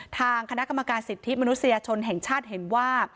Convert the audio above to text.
ทางคณะกรรมการสิทธิมนุษยชนแห่งชาติเห็นว่า